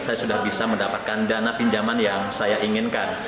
saya sudah bisa mendapatkan dana pinjaman yang saya inginkan